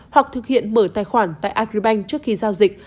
hoặc thực hiện mở tài khoản tại agribank trước khi giao dịch